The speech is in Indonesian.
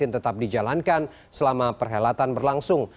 tetap dijalankan selama perhelatan berlangsung